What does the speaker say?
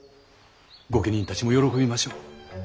御家人たちも喜びましょう。